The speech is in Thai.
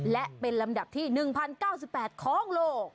และเป็นลำดับที่๑๐๙๘ของโลก